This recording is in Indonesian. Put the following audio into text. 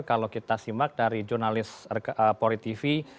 kalau kita simak dari jurnalis pori tv